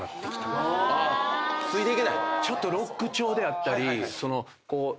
ちょっとロック調であったりその。